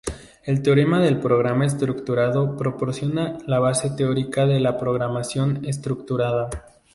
El teorema del programa estructurado proporciona la base teórica de la programación estructurada.